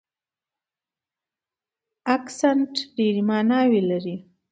اکسنټ ډېرې ماناوې لري.